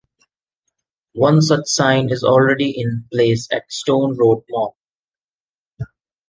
One such sign is already in place at Stone Road Mall.